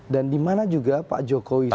dan di mana juga pak jokowi saja